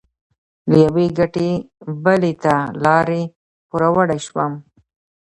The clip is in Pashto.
له یوې ګټې بلې ته لاړې؛ پوروړی شوم.